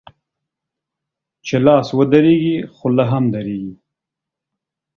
چي لاس و درېږي ، خوله هم درېږي.